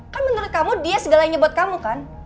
kan menurut kamu dia segalanya buat kamu kan